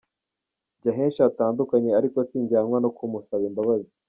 Njya henshi hatandukanye, ariko sinjyanwa no kumusaba imbabazi.